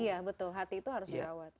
iya betul hati itu harus dirawat